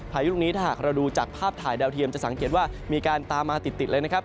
พายุลูกนี้ถ้าหากเราดูจากภาพถ่ายดาวเทียมจะสังเกตว่ามีการตามมาติดเลยนะครับ